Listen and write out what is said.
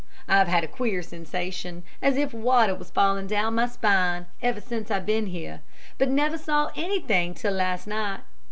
I've had a queer sensation, as if water was falling down my spine, ever since I've been here, but never saw anything till last night.